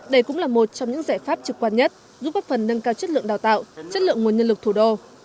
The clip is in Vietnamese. đây cũng là một trong những giải pháp trực quan nhất giúp góp phần nâng cao chất lượng đào tạo chất lượng nguồn nhân lực thủ đô